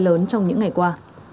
lớn trong những ngày qua